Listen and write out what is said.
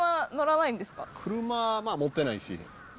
車、持ってないし。